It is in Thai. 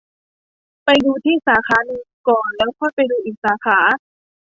ไปดูที่สาขานึงก่อน แล้วก็ไปดูอีกสาขา